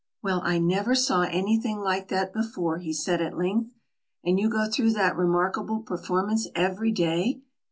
"Well, I never saw anything like that before," he said at length. "And you go through that remarkable performance every day!